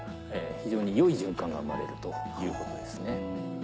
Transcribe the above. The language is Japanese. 非常に良い循環が生まれるということですね。